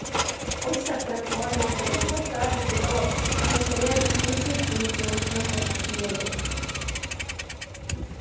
落ちちゃったら怖いなとかもちょっとあるけど、でも、それより楽しいっていう気持ちのほうが強いです。